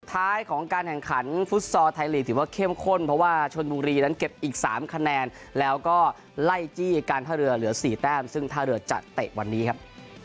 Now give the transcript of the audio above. ท้ายของการแข่งขันฟุตซอลไทยลีกถือว่าเข้มข้นเพราะว่าชนบุรีนั้นเก็บอีก๓คะแนนแล้วก็ไล่จี้การท่าเรือเหลือ๔แต้มซึ่งท่าเรือจะเตะวันนี้ครับ